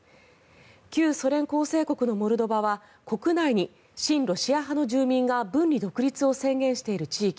旧ソ連構成国のモルドバは国内に親ロシア派の住民が分離独立を宣言している地域